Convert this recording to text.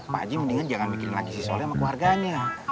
pak ji mendingan jangan mikirin lagi si soleh sama keluarganya